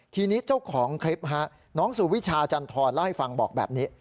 ทีนี้เจ้าของคลิปน้องสุวิชาจันทรเล่าให้ฟังบอกแบบนี้